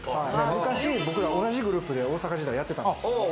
昔、僕ら同じグループで大阪時代やってたんですよ。